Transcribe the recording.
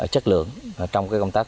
chất lượng trong công tác